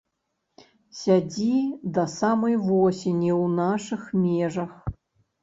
Сядзі да самай восені ў нашых межах.